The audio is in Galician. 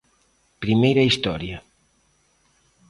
Primeira historia.